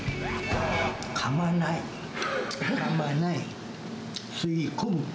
かまない、かまない、吸い込む。